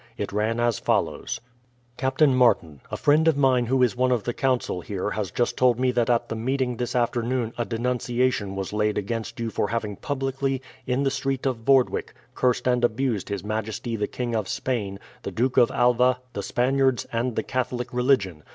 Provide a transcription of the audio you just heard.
It ran as follows: "Captain Martin, A friend of mine, who is one of the council here, has just told me that at the meeting this afternoon a denunciation was laid against you for having publicly, in the street of Vordwyk, cursed and abused his Majesty the King of Spain, the Duke of Alva, the Spaniards, and the Catholic religion.